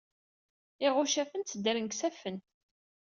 Iɣuccafen tteddren deg yisafen.